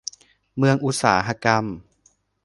เมืองอุตสาหกรรม